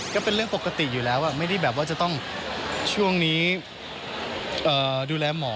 ก็เป็นเรื่องปกติอยู่แล้วไม่ได้แบบว่าจะต้องช่วงนี้ดูแลหมอ